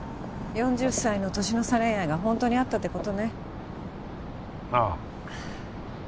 ４０歳の年の差恋愛がホントにあったってことねああ